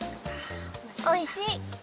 おいしい。